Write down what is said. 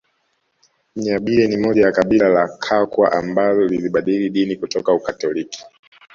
Nyabire ni mmoja wa kabila la Kakwa ambalo lilibadili dini kutoka Ukatoliki